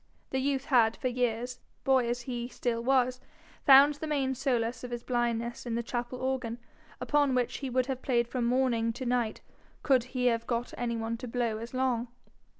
The youth had for years, boy as he still was, found the main solace of his blindness in the chapel organ, upon which he would have played from morning to night could he have got any one to blow as long.